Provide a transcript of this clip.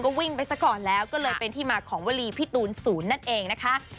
ก็วิ่งไปซะก่อนแล้วก็เลยเป็นที่มาของวลีพี่ตูนศูนย์นั่นเองนะคะ